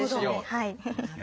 はい。